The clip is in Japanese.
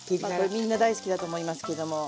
みんな大好きだと思いますけども。